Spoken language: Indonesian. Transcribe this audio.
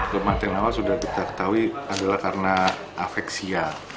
kematian awal sudah kita ketahui adalah karena afeksia